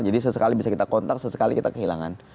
sesekali bisa kita kontak sesekali kita kehilangan